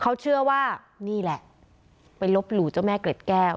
เขาเชื่อว่านี่แหละไปลบหลู่เจ้าแม่เกร็ดแก้ว